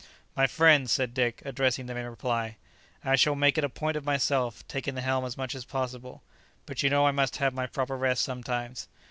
"My friends," said Dick, addressing them in reply; "I shall make it a point of myself taking the helm as much as possible. But you know I must have my proper rest sometimes.